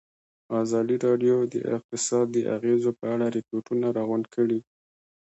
ازادي راډیو د اقتصاد د اغېزو په اړه ریپوټونه راغونډ کړي.